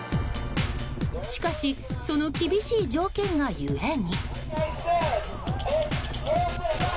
しかしその厳しい条件が故に。